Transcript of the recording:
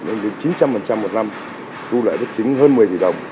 lên đến chín trăm linh một năm thu lợi bất chính hơn một mươi tỷ đồng